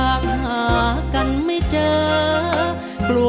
จะใช้หรือไม่ใช้ครับ